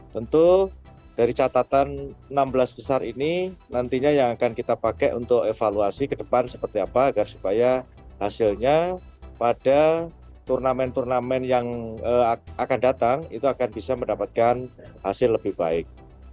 tentu dari catatan enam belas besar ini nantinya yang akan kita pakai untuk evaluasi ke depan seperti apa agar supaya hasilnya pada turnamen turnamen yang akan datang itu akan bisa mendapatkan hasil lebih baik